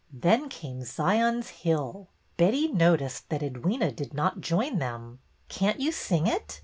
Then came " Zion's Hill." Betty noticed that Edwyna did not join them. Can't you sing it?